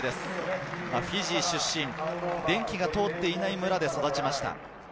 フィジー出身、電気が通っていない村で育ちました。